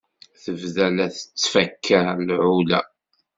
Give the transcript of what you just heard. Tebda la tettfaka lɛula.